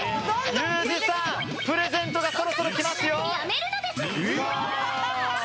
ユージさん、プレゼントがそろそろ来ますよ！